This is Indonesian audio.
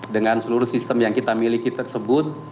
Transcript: dengan seluruh sistem yang kita miliki tersebut